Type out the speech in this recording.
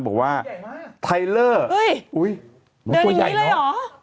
บอกว่าไทเลอร์โอ้ยเหมือนพวกใหญ่เลยหรอ